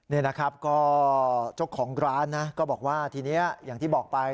นี่นะครับก็เจ้าของร้านนะก็บอกว่าทีนี้อย่างที่บอกไป